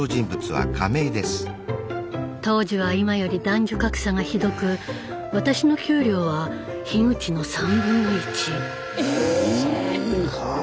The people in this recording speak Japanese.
当時は今より男女格差がひどく私の給料は樋口の３分の１。え